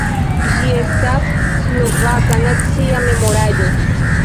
Ĝi estas slovaka nacia memoraĵo.